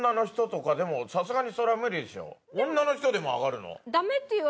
女の人でも上がるの？